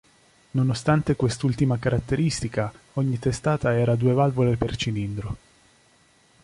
Nonostante quest'ultima caratteristica, ogni testata era a due valvole per cilindro.